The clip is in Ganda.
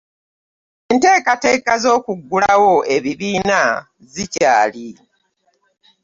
Enteekateeka z'okuggulawo ebibiina zikyali